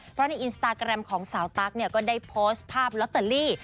เพราะในอินสตาแกรมของสาวตั๊กเนี่ยก็ได้โพสต์ภาพลอตเตอรี่